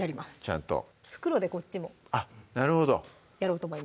ちゃんと袋でこっちもやろうと思います